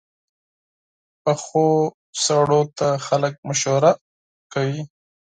پخو سړو ته خلک مشوره کوي